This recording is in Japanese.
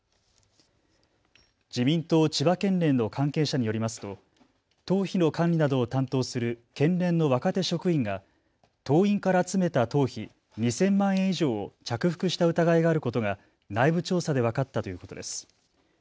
自民党千葉県連の関係者によりますと党費の管理などを担当する県連の若手職員が党員から集めた党費２０００万円以上を着服した疑いがあることが内部調査で分かったということです。